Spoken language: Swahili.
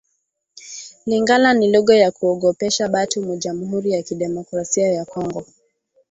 Lingala ni luga ya kuogopesha batu mu jamhuri ya kidemocrasia ya kongo